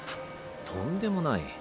とんでもない。